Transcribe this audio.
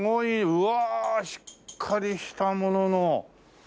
うわあしっかりしたものの。